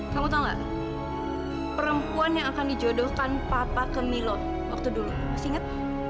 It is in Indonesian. kamu tahu nggak perempuan yang akan dijodohkan papa ke milo waktu dulu masih ingat